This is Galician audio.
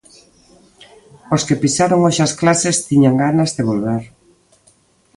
Os que pisaron hoxe as clases tiñan ganas de volver.